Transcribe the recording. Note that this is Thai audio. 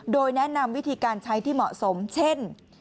โดยแนะนำวิธีการใช้ที่เหมาะสมเช่น